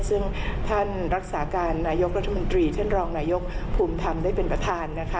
ซึ่งท่านรักษาการนายกรัฐมนตรีท่านรองนายกภูมิธรรมได้เป็นประธานนะคะ